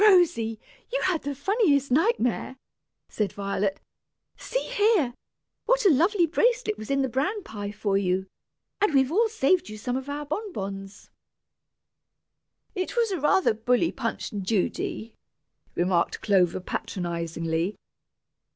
"Rosy, you had the funniest nightmare!" said Violet; "see here, what a lovely bracelet was in the bran pie for you, and we've all saved you some of our bonbons." "It was rather a bully Punch and Judy," remarked Clover, patronizingly.